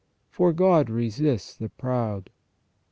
For, "God resists the proud